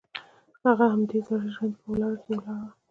هغه د همدې زړې ژرندې په وره کې ولاړه وه.